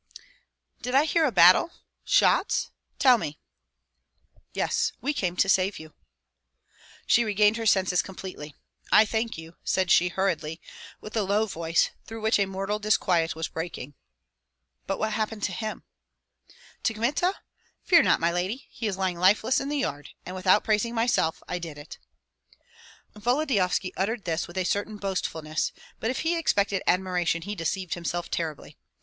"Did I hear a battle shots? Tell me." "Yes. We came to save you." She regained her senses completely. "I thank you," said she hurriedly, with a low voice, through which a mortal disquiet was breaking. "But what happened to him?" "To Kmita? Fear not, my lady! He is lying lifeless in the yard; and without praising myself I did it." Volodyovski uttered this with a certain boastfulness; but if he expected admiration he deceived himself terribly.